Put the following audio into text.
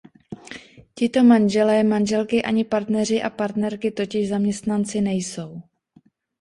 Tito manželé, manželky ani partneři a partnerky totiž zaměstnanci nejsou.